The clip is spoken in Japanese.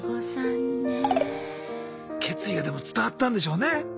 決意がでも伝わったんでしょうね。